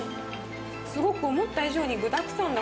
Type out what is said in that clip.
すごく思った以上に具だくさんだ